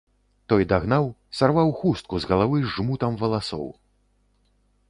Той дагнаў, сарваў хустку з галавы з жмутам валасоў.